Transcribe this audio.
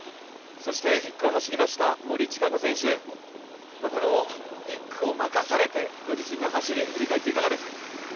１区を走りました森智香子選手、１区を任されて、ご自身の走り、振り返っていかがですか？